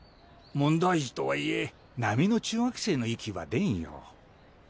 問題児とはいえ並みの中学生の域は出んよ。